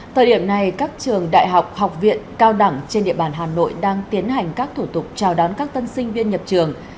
thời điểm này các trường đại học học viện cao đẳng trên địa bàn hà nội đang tiến hành các thủ tục chào đón các tân sinh viên nhập trường